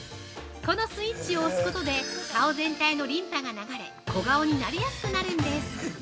このスイッチを押すことで顔全体のリンパが流れ小顔になりやすくなるんです。